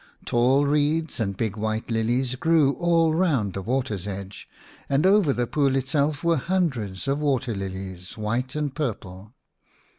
Tall reeds and big white lilies grew all round the water's edge, and over the pool itself were hundreds of water lilies, white and purple.